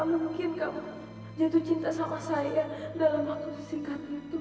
kalau mungkin kamu jatuh cinta sama saya dalam waktu singkat itu